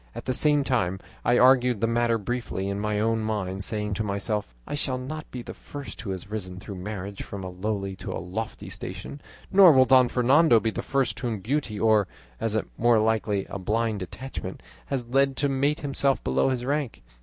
At the same time I argued the matter briefly in my own mind, saying to myself, 'I shall not be the first who has risen through marriage from a lowly to a lofty station, nor will Don Fernando be the first whom beauty or, as is more likely, a blind attachment, has led to mate himself below his rank.